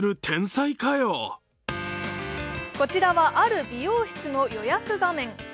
こちらはある美容室の予約画面。